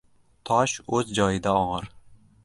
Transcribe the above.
• Tosh o‘z joyida og‘ir.